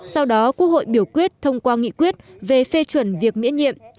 sau đó quốc hội biểu quyết thông qua nghị quyết về phê chuẩn việc miễn nhiệm